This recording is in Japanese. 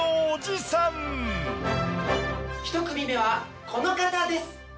１組目はこの方です。